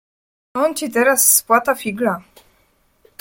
"On ci teraz spłata figla."